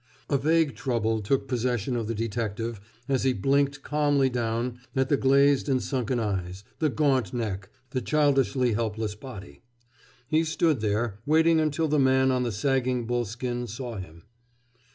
A vague trouble took possession of the detective as he blinked calmly down at the glazed and sunken eyes, the gaunt neck, the childishly helpless body. He stood there, waiting until the man on the sagging bull skin saw him.